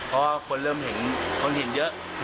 เพราะว่าคนเริ่มเห็นคนเห็นเยอะ